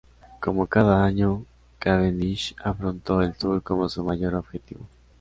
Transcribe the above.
Como cada año, Cavendish afrontó el Tour como su mayor objetivo.